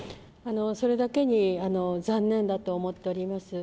それだけに残念だと思っております。